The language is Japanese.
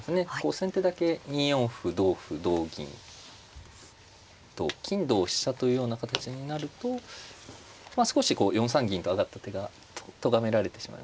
先手だけ２四歩同歩同銀同金同飛車というような形になると少しこう４三銀と上がった手がとがめられてしまいますね。